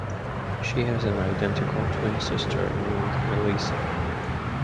She has an identical twin sister named Melissa.